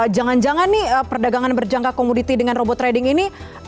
jangan jangan nih perdagangan berjangka komoditi dengan robot trading ini